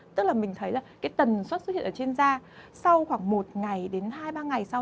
tức là mình thấy là cái tần suất xuất hiện ở trên da sau khoảng một ngày đến hai ba ngày sau